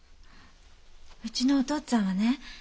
うちのお父っつぁんはね